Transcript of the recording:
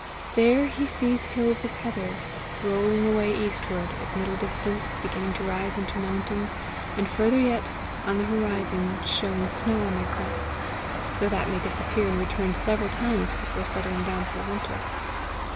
There he sees hills of heather rolling away eastward, at middle distance beginning to rise into mountains, and farther yet, on the horizon, showing snow on their crests though that may disappear and return several times before settling down for the winter.